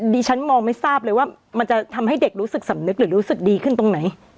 ดิฉันมองไม่ทราบเลยว่ามันจะทำให้เด็กรู้สึกสำนึกหรือรู้สึกดีขึ้นตรงไหน